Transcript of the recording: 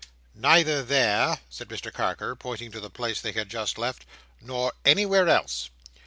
"Neither there," said Mr Carker, pointing to the place they had just left, "nor anywhere else.